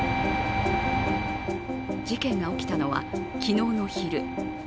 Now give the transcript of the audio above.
事件が起きたのは、昨日の昼。